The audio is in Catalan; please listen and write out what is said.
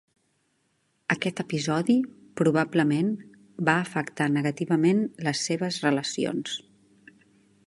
Aquest episodi probablement va afectar negativament les seves relacions.